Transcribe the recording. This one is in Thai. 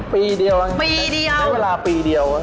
ปีเดียวไม่เวลาปีเดียวอะ